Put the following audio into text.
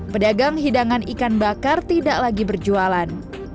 pedagang hidangan ikan bakar tidak lagi berjualan